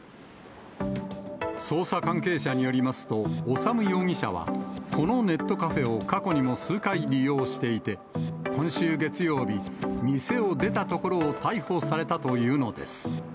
捜査関係者によりますと、修容疑者は、このネットカフェを過去にも数回利用していて、今週月曜日、店を出たところを逮捕されたというのです。